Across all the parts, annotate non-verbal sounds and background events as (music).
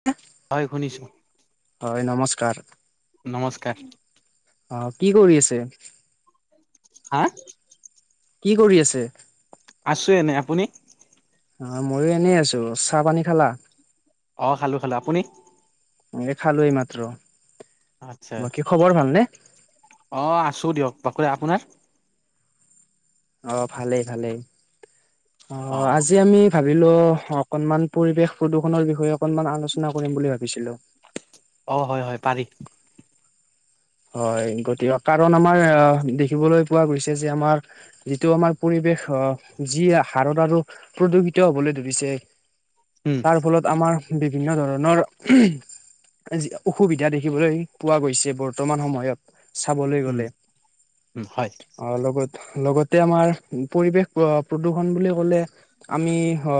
(unintelligible) হয় শুনিছোঁ। হয় নমস্কাৰ। নমস্কাৰ। অ' কি কৰি আছে? হা'। কি কৰি আছে? আছোঁ এনেই। আপুনি? অ' মইয়ো এনেই আছো। চাহ পানী খালা? অঁ, খালোঁ খালো। আপুনি? মইও খালো এই মাত্ৰ। আচ্ছা, বাকী খবৰ ভালনে অ আছো দিয়ক। বাকী আপোনাৰ? অ' ভালেই ভালেই। অ' আজি আমি ভাবিলো অকনমান পৰিৱেশ প্ৰদূষনৰৰ বিষয়ে অকনমান আলোচনা কৰিম বুলি ভাবিছিলো। অ' হয় হয় পাৰি। হয়। গতিকে কাৰণ আমাৰ আহ, দেখিবলৈ পোৱা গৈছে যে আমাৰ, যিটো আমাৰ পৰিৱেশ আহ, যি হাৰত আৰু প্ৰদূষিত হবলৈ ধৰিছে। উম, তাৰ ফলত আমাৰ বিভিন্ন ধৰণৰ যি অসুবিধা দেখিবলৈ পোৱা গৈছে বৰ বৰ্তমান সময়ত চাবলৈ উম গ'লে। উম হয় অ' লগত লগতে আমাৰ পৰিৱেশ প্ৰ-প্ৰদূষণ বুলি কলে। আমি হ'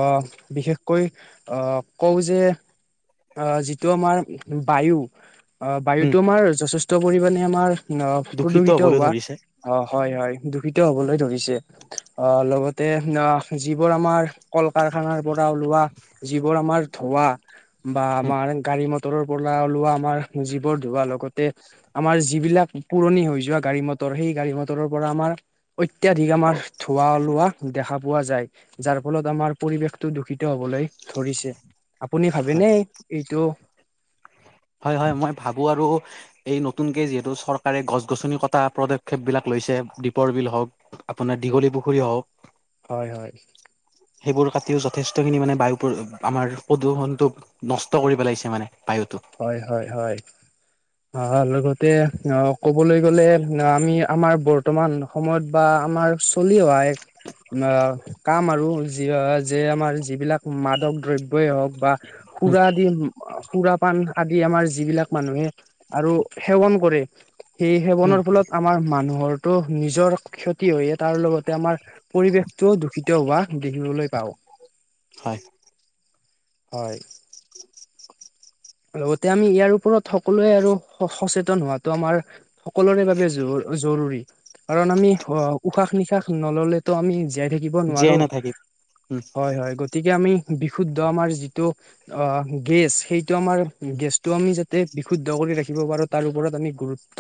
বিশেষ কৈ আহ, কওঁ যে আহ, যিটো আমাৰ বায়ু। অ উম বায়ুতটো আমাৰ যথেষ্ট পৰিমানে আমাৰ অ দূষিত প্ৰদূষিত হবলৈ হোৱা। ধৰিছে অ হয় হয় দূষিত হবলৈ ধৰিছে, অ লগতে অ যিবোৰ আমাৰ কল কাৰখানাৰ পৰা ওলোৱা যিবোৰ আমাৰ ধোৱা, বা উম আমাৰ গাড়ী ম তৰৰ পৰা ওলোৱা আমাৰ যিবোৰ ধুৱা লগতে আমাৰ যিবিলাক পুৰণি হৈ যোৱা গাড়ী - মটৰ সেই গাড়ী - মটৰৰ পৰা আমাৰ অত্যাধিক আমাৰ ধোঁৱা ওলোৱা দেখা পোৱা যায়। যাৰ ফলত আমাৰ পৰিৱেশটো দূষিত হবলৈ ধৰিছে। আপুনি হয় ভাবেনে এইটো হয়' হয়' মই ভাবো আৰু। এই নতুনকে যিহেতু চৰকাৰে গছ গছনি কটা পদক্ষেপ বিলাক লৈছে দ্বীপৰ বিল হওক আপোনাৰ দীঘলী পুখুৰী হওক। হয়' হয়'। সেইবোৰ কাটিও যথেষ্টখিনি মানে বায়ু প্ৰদূ আমাৰ প্ৰদূষণটোক নষ্ট কৰি পেলাইছে মানে বায়ুতো। হয় হয় হয়। অ' লগতে অ' কবলে গ'লে আমি আমাৰ বৰ্তমান সময়ত বা আমাৰ চলি অহা এক অ' কাম আৰু যি যে আমাৰ যিবিলাক মাদক দ্ৰব্যই হওঁক বা উম (unintelligible) পান আদি আমাৰ যিবিলাক মানুহে আৰু সেৱন কৰে। সেই উম সেৱনৰ ফলত আমাৰ মানুহৰ তো নিজৰ ক্ষতি হয়ে তাৰ লগতে আমাৰ পৰিৱেশটোও দূষিত হোৱা দেখিবলৈ পাওঁ। হয়। হয়। লগতে আমি ইয়াৰ ওপৰত সকলোৱে আৰু সচেতন হোৱাটো আমাৰ সকলোৰে বাবে জ জৰুৰী। কাৰণ আমি অ' উশাহ নিশাহ নল'লে তো আমি জীয়াই থাকি দিব জীয়াই নোৱাৰো নাথাকিম উম হয় হয় গতিকে আমি বিশুদ্ধ আমাৰ যিটো অ গেছ, সেইটো আমাৰ গেছটো আমি যা তে বিশুদ্ধ কৰি ৰাখিব পাৰোঁ তাৰ ওপৰত আমি গুৰুত্ব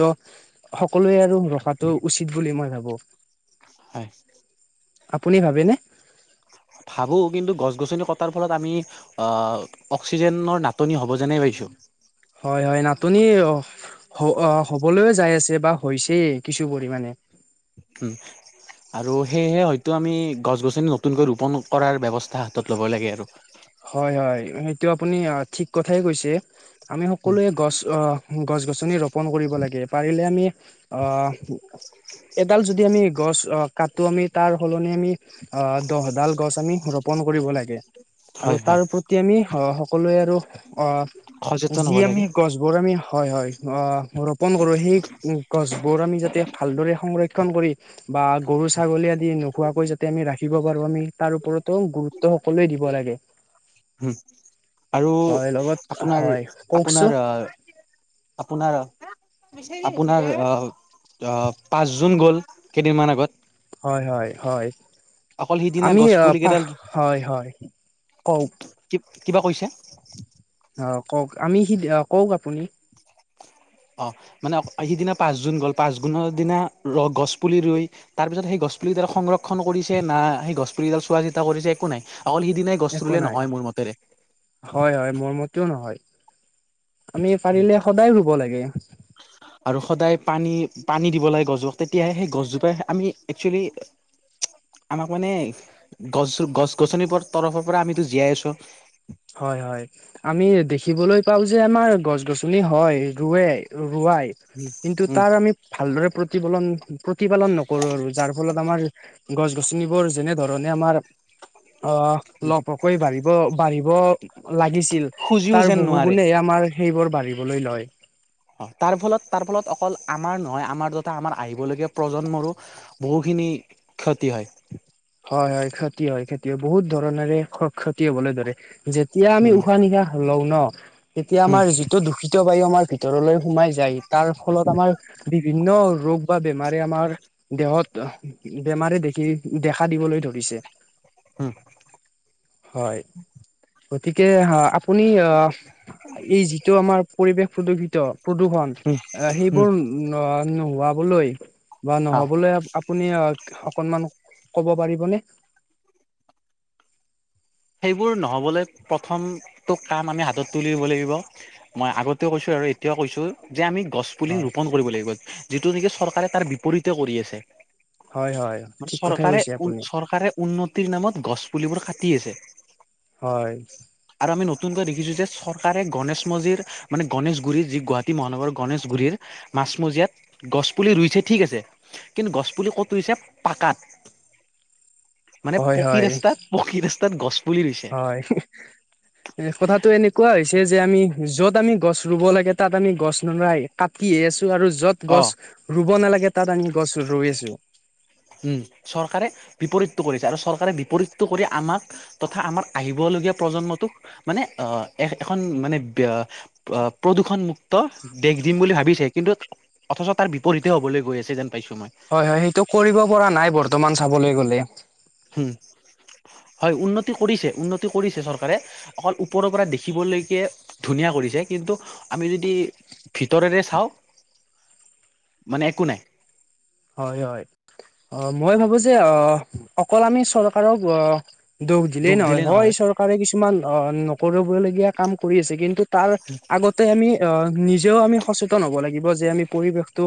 সকলোৱে আৰু ৰখাটো উচিত বুলি মই ভাবো। হয়। আপুনি ভাবেনে? ভাবো কিন্তু গছ গছনি কটাৰ ফলত আমি আহ' অক্সিজেনৰ নাটনি হ'ব যেনেই পাইছো। হয় হয় নাটনি হ অ হবলৈয়ে যাই আছে বা হৈছেই কিছু পৰিমাণে। উম আৰু সেয়েহে হয়তো আমি গছ গছনি নতুনকৈ ৰোপণ কৰাৰ ব্যৱস্থা হাতত ল'ব লাগে আৰু, হয় হয় সেইটো আপুনি আ ঠিক কথাই কৈছে। আমি উম সকলোৱে গছ আহ গছ গছনি ৰোপন কৰিব লাগে পাৰিলে আমি, অহ এডাল যদি আমি গছ ৰ কাটো আমি তাৰ সলনি আমি অ দহডাল গছ আমি ৰোপন কৰিব লাগে। আৰু হয় হয় তাৰ প্ৰতি আমি অ সকলোৱে আৰু অ সচেতন যি হ'ব আমি লাগে গছ, গছবোৰ আমি হয় হয় ৰোপণ কৰোঁ সেই গছবোৰ আমি যাতে, ভালদৰে সংৰক্ষণ কৰি, বা গৰু ছাগলী আদি নোখোৱাকৈ যাতে আমি ৰাখিব পাৰো আমি তাৰ ওপৰতো গুৰুত্ব সকলোৱে দিব লাগে। হম আৰু হয় লগত হয় কওকচোন আপোনাৰ-আপোনাৰ আপোনাৰ অ আপোনাৰ অ, অ, পাঁচ জুন গ'ল কেইদিনমান আগত। হয়-হয়-হয় অকল সিদিনা আমি গছ পুলি পা কেইডাল হয়-হয় কও কিব কিবা কৈছাঁ? অ, কওক আমি সি (unintelligible) কওক আপুনি? অ, মানে সিদিনা পাঁচ জুন গ'ল পাঁচ গোনৰ দিনা ৰ' গছ পুলি ৰুই তাৰ পিছত সেই গছ পুলি ডাল সংৰক্ষণ কৰিছে না সেই গছ পুলি এডাল চোৱা চিতা কৰিছে একো নাই অকল সিদিনাই গছ একো ৰুলে নাই নহয় মোৰ মতেৰে হয়-হয় মোৰ মতেও নহয়। আমি পাৰিলে সদায় ৰুব লাগে। আৰু সদায় পানী-পানী দিব লাগে গছজোপাক তেতিয়াহে সেই গছজোপাই আমি একচুৱেলি (inaudible) আমাক মানে গছ-গছ-গছনিৰ তৰফৰ পৰা আমিতো জীয়াই আছো হয়-হয় আমি দেখিবলৈ পাও যে আমাৰ গছ-গছনি হয় ৰুৱে ৰোৱাই কিন্তু উম তাৰ আমি ভালদৰে প্ৰতিফলন প্ৰতিপালন নকৰোঁ আৰু যাৰ ফলত আমাৰ গছ-গছনিবোৰ যেনেধৰণে আমাৰ অ, লহ পহকৈ বাঢ়িব (unintelligible) (unintelligible) লাগিছিল খুজিও তাৰ যেন বহু নোৱাৰে গুণে এ আমাৰ সেইবোৰ বাঢ়িবলৈ লয়। অ, তাৰ ফলত-তাৰ ফলত অকল আমাৰ নহয় আমাৰ যথা আমাৰ আহিবলগীয়া প্ৰজন্মৰো বহুখিনি ক্ষতি হয়। হয়-হয় ক্ষতি হয়, ক্ষতি হয় বহুত ধৰণৰে ক্ষতি হবলৈ ধৰে যেতিয়া আমি উম উশাহ - নিশাহ লও ন'তেতিয়া উম আমাৰ যি টো দূষিত বায়ু আমাৰ ভিতৰলৈ সোমাই যায় তাৰ ফলত আমাৰ বিভিন্ন ৰোগ বা বেমাৰে আমাৰ দেহত বেমাৰে দেখি দেখা দেখা দিবলৈ ধৰিছে উম হয়। গতিকে হা আপুনি আহ এই যিটো আমাৰ পৰিৱেশ প্ৰদূষিত প্ৰদূষণ উম এ উম সেইবোৰ ন' নোহোৱাবলৈ বা হা নহবলৈ আপুনি অ' অকনমান ক'ব পাৰিবনে? সেইবোৰ নহ'বলৈ প্ৰথমটো কাম আমি হাতত তুলি দিব লাগিব। মই আগতেও কৈছো আৰু এতিয়াও কৈছো যে আমি গছ পুলি হয়, ৰোপন কৰিব লাগিব যিটো নিকি চৰকাৰে তাৰ বিপৰীতে কৰি আছে। হয়, হয়, ঠিক কথাই চৰকাৰে কৈছে উন আপুনি। চৰকাৰে উন্নতিৰ নামত গছ পুলিবোৰ কাটি আছে হয়। আৰু আমি নতুনকৈ দেখিছোঁ যে চৰকাৰে গণেশ মজিৰ মানে গণেশগুৰিৰ যি গুৱাহাটী মহানগৰৰ গণেশগুৰিৰ মাছমজিয়াত গছপুলি ৰুইছে ঠিক আছে কিন্তু গছপুলি ক'ত ৰুইছে পাকাত (inaudible) মানে হয়, পকী হয়, ৰাস্তাত- পকী ৰাস্তাত গছ পুলি ৰুইছে। হয়। এ কথাটো এনেকুৱা হৈছে যে আমি য'ত আমি গছ ৰুব লাগে তাত আমি গছ (unintelligible) কাটিহে আছোঁ আৰু য'ত অ গছ ৰুব নালাগে তাত আমি গছ ৰুই আছোঁ। উম, চৰকাৰে বিপৰীতটো কৰিছে আৰু চৰকাৰে বিপৰীতটো কৰি আমাক তথা আমাৰ আহিবলগীয়া প্ৰজন্মটোক মানে আহ এ -এখন মানে ব্য অহ, প্ৰদূষণ মুুক্ত দেশ দিম বুলি ভাবিছে কিন্তু অথচ তাৰ বিপৰীতে হ'বলৈ গৈছে যেন পাইছো মই হয়, হয়, সেইটো কৰিব পৰা নাই বৰ্তমান চাবলৈ গ'লে। উম, হয় উন্নতি কৰিছে, উন্নতি কৰিছে চৰকাৰে অকল ওপৰৰ পৰা দেখিবলৈকে ধুনীয়া কৰিছে, কিন্তু আমি যদি ভিতৰেৰে চাওঁ, মানে একো নাই। হয়, হয়, অ', মই ভাবোঁ যে আহ অকল আমি চৰকাৰক আহ দুখ দিলেই নহয়, হয় চৰকাৰে কিছুমান অ', নকৰিব লগীয়া কাম কৰি আছে, কিন্তু তাৰ আগত তাতে আমি অ', নিজেও আমি সচেতন হ'ব লাগিব যে আমি পৰিৱেশটো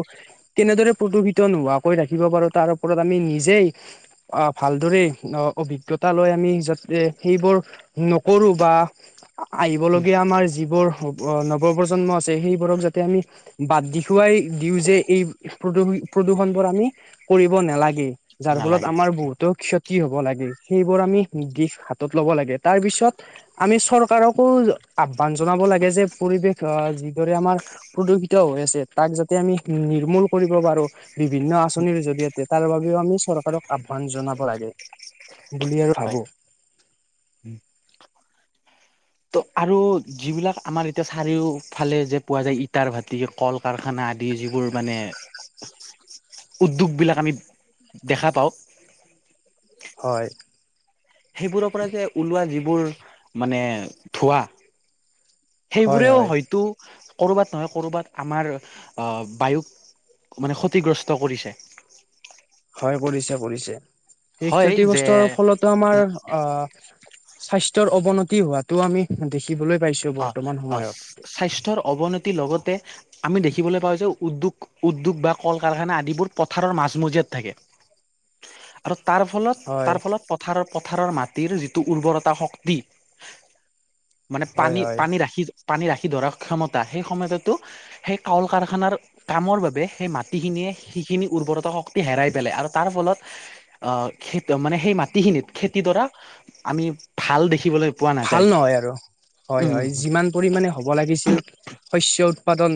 কেনেদৰে প্ৰদূষিত ত নোহোৱাকৈ ৰাখিব পাৰোঁ তাৰ ওপৰত আমি নিজেই আহ, ভালদৰে অভিজ্ঞতা লৈ আমি যাতে সেইবোৰ নকৰোঁ বা উম, আহিবলগীয়া আমাৰ যিবোৰ নৱপ্ৰজন্ম আছে সেইবোৰক যাতে আমি বাদ দেখুৱাই দিওঁ যে এই প্ৰদূষি প্ৰদূষণ বোৰ আমি কৰিব নালাগে, যাৰ ফলত নালাগে আমাৰ তো ক্ষতি হ'ব লাগে সেইবোৰ আমি দিশ হাতত ল'ব লাগে, তাৰ পিছত আমি চৰকাৰকো আহ্বান জনাব লাগে যে পৰিৱেশ আহ যি দৰে আমাৰ প্ৰদূষিত হৈ আছে তাক যাতে আমি নিৰ্মূল কৰিব পাৰোঁ‌। বিভিন্ন আঁচনিৰ জৰিয়তে তাৰ বাবেও আমি চৰকাৰক আহ্বান জনাব লাগে। বুলি আৰু ভাবোঁ‌। (inaudible) ত' আৰু যিবিলাক আমাৰ এতিয়া চাৰিওফালে যে পোৱা যায় ইটাৰ ভাটি কল কাৰখানা আদি যিবোৰ মানে উদ্যোগ বিলাক আমি দেখা পাওঁ। হয়। সেইবোৰৰ পৰা যে ওলোৱা যিবোৰ মানে ধোৱাঁ। হয় সেইবোৰেও হয় হয়তো ক'ৰবাত নহয় ক'ৰবাত আমাৰ আ, বায়ুক মানে ক্ষতিগ্ৰস্ত কৰিছে। হয় কৰিছে কৰিছে, সেই হয় ক্ষতি যে গ্ৰস্তৰ ফলতে আমাৰ অ' স্বাস্থ্যৰ অৱনতি হোৱাতোও আমি দেখিবলৈ পাইছো। অ', বৰ্তমান অ', সময়ত স্বাস্থ্যৰ অৱনতিৰ লগতে আমি দেখিবলৈ পাওঁ যে উদ্যোগ উদ্যোগ বা কল কাৰখানা আদিবোৰ পথাৰৰ মাজমজিয়াত থাকে, আৰু তাৰ ফলত হয় তাৰ ফলত পথাৰৰ, পথাৰৰ মাটিৰ যিটো উৰ্বৰতা শক্তি মানে হয় পানী, হয় পানী ৰাখি, পানী ৰাখি ধৰাৰ ক্ষমতা সেই ক্ষমতাটো সেই কল কাৰখানাৰ কামৰ বাবে সেই মাটিখিনিয়ে সেইখিনি উৰ্বৰতা শক্তি হেৰাই পেলাই, আৰু তাৰ ফলত আহ, খেদ মানে সেই মাটিখিনিত খেতি দৰাত আমি ভাল দেখিবলৈ পোৱা ভাল নাযায়। নহয় আৰু হয় উম হয়, উম যিমান পৰিমানে হ'ব লাগিছিল শস্য উৎপাদন,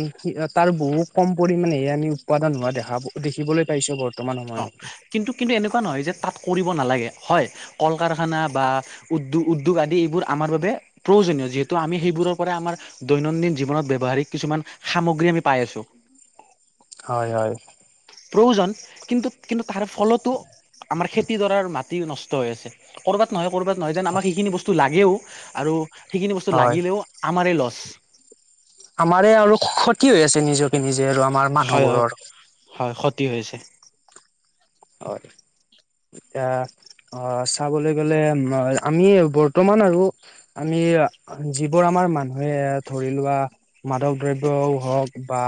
তাৰ বহু কম পৰিমাণেহে আমি উৎপাদন হোৱা দেখা, দেখিবলৈ পাইছো ব বৰ্তমান সময়ত। কিন্তু-কিন্তু এনেকুৱা নহয় যে তাত কৰিব নালাগে, হয় কল-কাৰখানা বা উদ্যো-উদ্যোগ আদি এইবোৰ আমাৰ বাবে প্ৰয়োজনীয, যিহেতু ত' আমি সেইবোৰৰ পৰা আমাৰ দৈনন্দিন জীৱনত ব্যৱহাৰিক কিছুমান সামগ্ৰী আমি পাই আছোঁ‌। হয় হয়। প্ৰয়োজন, কিন্তু কিন্তু তাৰ ফলতো আমাৰ খেতিডৰাৰ মাটি নষ্ট হৈ আছে। ক'ৰবাত নহয় ক'ৰবাত নহয় যেন আমাক সেইখিনি বস্তু লাগেও আৰু সেইখিনি বস্তু হয় লাগিলেও আমাৰেই লচ। আমাৰে আৰু ক্ষতি হৈ আছে নিজকে নিজে আৰু আমাৰ হয় হয় মানুহবোৰৰ। হয় ক্ষতি হৈছে। হয় (unintelligible) অ চাবলৈ গলে মা আমি বৰ্তমান আৰু আমি যিবোৰ আমাৰ মানুহে ধৰি লোৱা মাদক দ্ৰব্যও হওক বা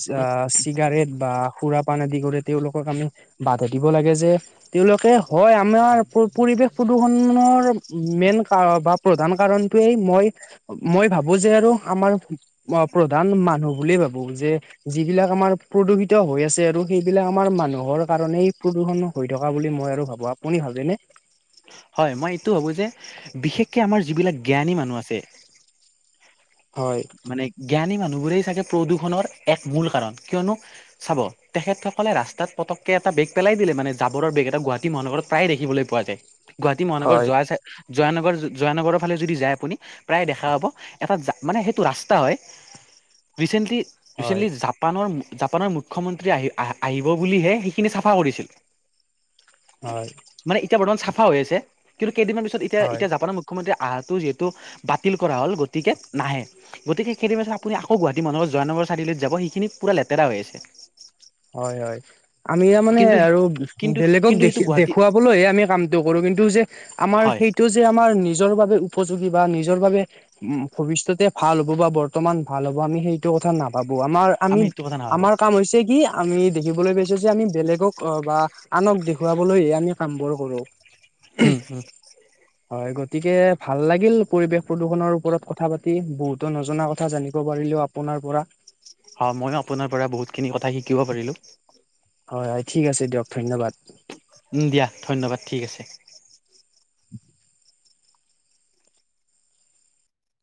চা চিগাৰেট বা সুৰা পান আদি কৰি তেওঁলোকক আমি বাধা দিব লাগে যে তেওঁলোকে হয় আমাৰ প পৰিৱেশ প্ৰদূষণৰ মেইন কাৰক বা প্ৰধান কাৰণটোৱেই মই, মই ভাবো যে আৰু আমাৰ মই প্ৰধান মানুহ বুলিয়ে ভাবো যে যিবিলাক আমাৰ প্ৰদূষিত হৈ আছে আৰু সেইবিলাক আমাৰ মানুহৰ কাৰণে প্ৰদূষণ হৈ থকা বুলি মই আৰু ভাবো আপুনি ভাবেনে? হয় মই এইটো ভাবোঁ যে, বিশেষকে আমাৰ যিবিলাক জ্ঞানী মানুহ আছে হয়। মানে জ্ঞানী মানুহবোৰেই চাগে প্ৰদূৰ্ষণৰ এক মূল কাৰণ কিয়নো চাব তেখেত সকলে ৰাস্তাত পটককে এটা বেগ পেলাই দিলে মানে জাবৰৰ বেগ এটা গুৱাহাটী মহানগৰত প্ৰায় দেখিবলৈ পোৱা যায়। গুৱাহাটী মহানগৰ হয়। যোৱাই চাই জয়ানগৰ জয়ানগৰৰ ফালে যদি যায় আপুনি প্ৰায় দেখা পাব এটা জা মানে সেই টো ৰাস্তা হয়, ৰিছেণ্টলি হয় ৰিছেণ্টলি জাব পানৰ জাপানৰ মুখ্যমন্ত্ৰী আহি আহ আহিব বুলিহে সেইখিনি চাফা কৰিছিল। হয়। মানে এতিয়া বৰ্তমান চাফা হৈ আছে কিন্তু কেইদিনমান পিছত এতিয়া হয় এতিয়া জাপানৰ মু খ্যমন্ত্ৰী আহাটো যিহেতু বাতিল কৰা হ'ল গতিকে নাহে। গতিকে কেইদিনমান পাছত আপুনি আকৌ গুৱাহাটী মহানগৰ জয়ানগৰ চাৰিআলিত যাব সেইখিনি পূৰা লেতেৰা হৈ আছে। হয় হয়। আমিহে মানে কিন্তু আৰু কিন্তু বেলেগক কিন্তু সেইটো দেখি গুৱাহাটী দেখুৱাবলৈহে আমি কামটো কৰো কিন্তু যে আমাৰ হয় সেইটো যে আমাৰ নিজৰ বাবে উপযোগী বা নিজৰ বাবে উম ভৱিষ্যতে ভাল হ'ব বা বৰ্তমান ভাল হ'ব আমি সেইটো কথা না ভাবো আমাৰ আমি সেইটো কথা নাভাবো আমাৰ কাম হৈছে কি আমি দেখিবলৈ পাইছো যে আমি বেলেগক অ বা আনক দেখুৱাবলৈহে আমি কামবোৰ কৰোঁ। হুম হুম। হয় গতিকে ভাল লাগিল পৰিৱেশ প্ৰদূষণৰ ওপৰত কথা পাতি, বহুতো নজনা কথা জানিব পাৰিলেও আ পোনাৰ পৰা। হয় মইও আপোনাৰ পৰা বহুতখিনি কথা শিকিব পাৰিলো। হয় হয় ঠিক আছে দিয়ক ধন্যবাদ। উম দিয়া, ধন্যবাদ ঠিক আছে।